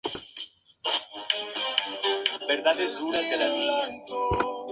Estas pinturas representan temas religiosos y el triunfo de la batalla de Lepanto.